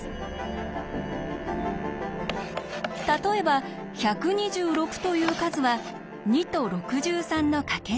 例えば１２６という数は２と６３のかけ算に。